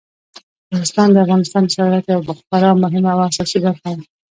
نورستان د افغانستان د صادراتو یوه خورا مهمه او اساسي برخه ده.